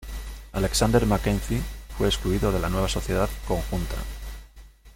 Alexander Mackenzie fue excluido de la nueva sociedad conjunta.